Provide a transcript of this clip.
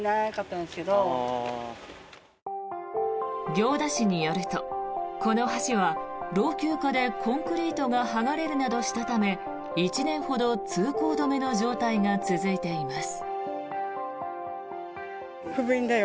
行田市によるとこの橋は老朽化でコンクリートが剥がれるなどしたため１年ほど通行止めの状態が続いています。